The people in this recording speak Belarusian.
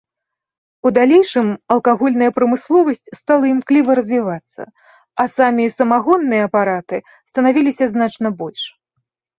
У далейшым алкагольная прамысловасць стала імкліва развівацца, а самі самагонныя апараты станавіліся значна больш.